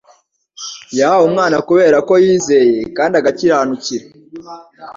yahawe umwana kubera ko yizeye kandi agakiranukira